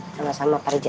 sama sama pak rija